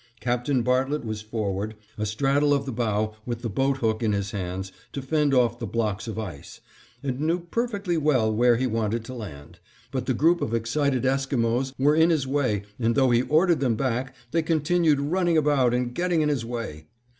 Captain Bartlett was forward, astraddle of the bow with the boat hook in his hands to fend off the blocks of ice, and knew perfectly well where he wanted to land, but the group of excited Esquimos were in his way and though he ordered them back, they continued running about and getting in his way.